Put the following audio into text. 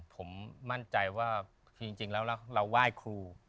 ผมมั่นใจว่าจริงแล้วเราไหว้ครู